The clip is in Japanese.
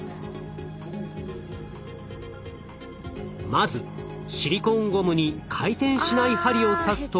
まずシリコーンゴムに回転しない針を刺すと。